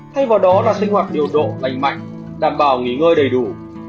thay vào đó là sinh hoạt điều độ lành mạnh đảm bảo nghỉ ngơi đầy đủ